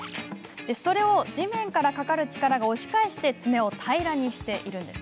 それを地面から、かかる力が押し返して爪を平らにしています。